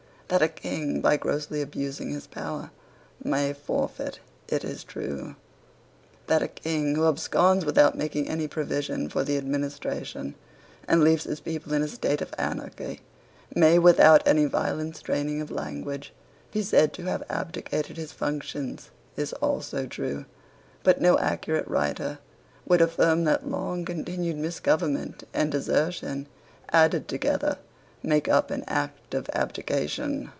That a King by grossly abusing his power may forfeit it is true. That a King, who absconds without making any provision for the administration, and leaves his people in a state of anarchy, may, without any violent straining of language, be said to have abdicated his functions is also true. But no accurate writer would affirm that long continued misgovernment and desertion, added together, make up an act of abdication.